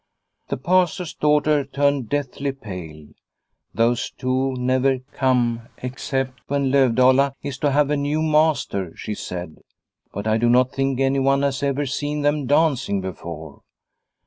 The Pastor's daughter turned deathly pale. " Those two never come except when Lovdala is to have a new master," she said; "but I do not think anyone has ever seen them dancing before."